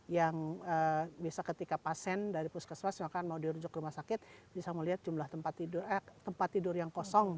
yang bisa ketika pasien dari puskesmas maka mau dirujuk ke rumah sakit bisa melihat jumlah tempat tidur yang kosong